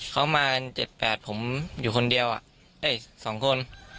เขามา๗๘ผมอยู่คนเดียวเอ้ย๒คน